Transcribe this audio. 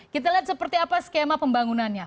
kita lihat seperti apa skema pembangunannya